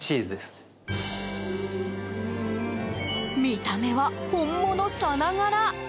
見た目は本物さながら。